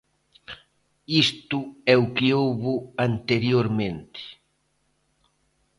Isto é o que houbo anteriormente.